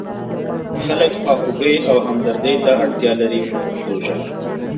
خلک خواخوږۍ او همدردۍ ته اړتیا لري په پښتو ژبه.